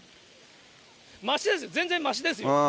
ましです、全然ましですよ。